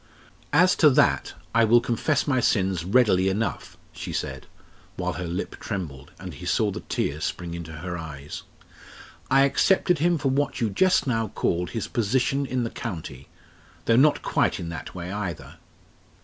"As to that, I will confess my sins readily enough," she said, while her lip trembled, and he saw the tears spring into her eyes. "I accepted him for what you just now called his position in the county, though not quite in that way either."